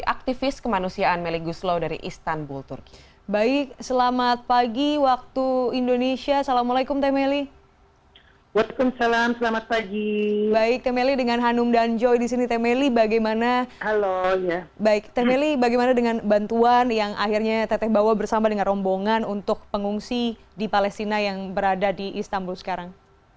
akhirnya tetek bawa bersama dengan rombongan untuk pengungsi di palestina yang berada di istanbul sekarang